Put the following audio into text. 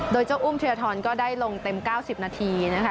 โดยเจ้าอุ้มธีรทรก็ได้ลงเต็ม๙๐นาทีนะคะ